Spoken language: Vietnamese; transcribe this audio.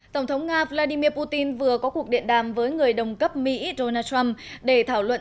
tổng thống nga vladimir putin vừa có cuộc điện đàm với người đồng cấp mỹ donald trump để thảo luận